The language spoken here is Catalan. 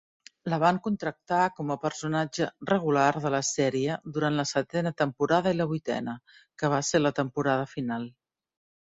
La van contractar com a personatge regular de la sèrie durant la setena temporada i la vuitena, que va ser la temporada final.